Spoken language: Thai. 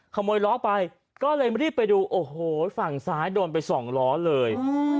ขโมยล้อไปก็เลยรีบไปดูโอ้โหฝั่งซ้ายโดนไปสองล้อเลย